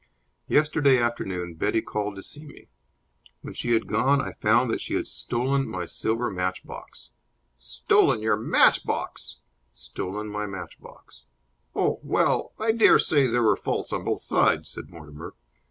Yesterday afternoon Betty called to see me. When she had gone I found that she had stolen my silver matchbox." "Stolen your matchbox?" "Stolen my matchbox." "Oh, well, I dare say there were faults on both sides," said Mortimer.